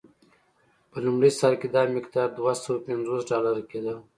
په لومړي سر کې دا مقدار دوه سوه پنځوس ډالر کېدل.